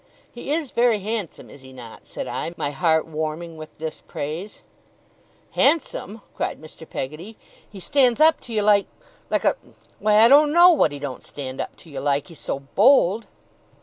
'He is very handsome, is he not?' said I, my heart warming with this praise. 'Handsome!' cried Mr. Peggotty. 'He stands up to you like like a why I don't know what he don't stand up to you like. He's so bold!